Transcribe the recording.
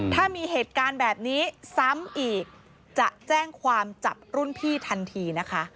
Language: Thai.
ถ้ามีเหตุการณ์แบบนี้ซ้ำอีกจะแจ้งความจับรุ่นพี่ทันทีนะคะ